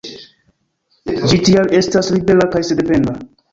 Ĝi tial estas libera kaj sendependa.